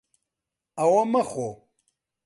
ئەوە مەخۆ.